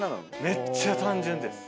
めっちゃ単純です。